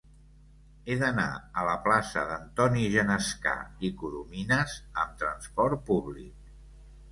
He d'anar a la plaça d'Antoni Genescà i Corominas amb trasport públic.